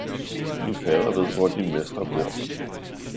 min fader ved, hvor din mester bor!